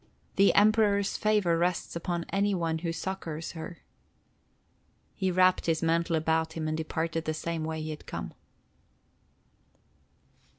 The Emperor's favor rests upon any one who succors her." He wrapped his mantle about him and departed the same way that he had come.